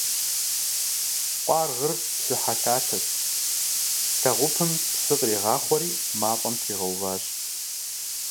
Къуаргъыр псыхьэ лъатэщ, лэгъупым псы къригъахъуэри, мафӀэм тригъэуващ.